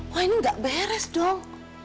wah ini nggak beres dong